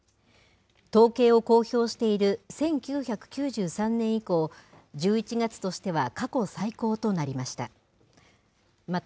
統計を公表している１９９３年以降、１１月としては過去最高となりました。